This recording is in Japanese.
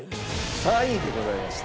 ３位でございました。